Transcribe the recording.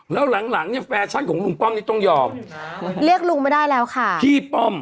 แล้วหลังหลังเนี่ยแฟชั่นของลุงป้อมนี้ต้องยอมเรียกลุงไม่ได้แล้วค่ะพี่ป้อม